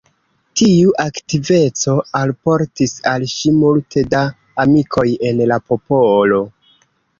Tiu aktiveco alportis al ŝi multe da amikoj en la popolo.